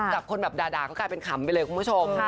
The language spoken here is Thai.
จับคนแบบด่าก็กลายเป็นขำไปเลยคุณผู้ชม